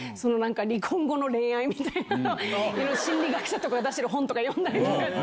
離婚後の恋愛みたいな、心理学者とかが出してる本とか読んだりとか。